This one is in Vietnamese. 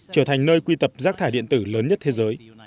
trở thành nơi quy tập rác thải điện tử lớn nhất thế giới